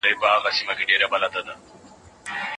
خلک د درملنې پیل لپاره ډېر انتظار کوي.